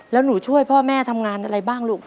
แล้วหนูช่วยพ่อแม่ทำงานอะไรบ้างลูก